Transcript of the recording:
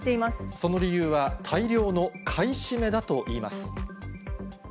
その理由は、大量の買い占めだといいます。